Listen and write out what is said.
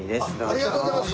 ありがとうございます。